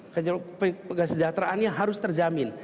kesejahteraannya harus terjamin